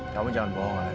kamu jangan bohong helena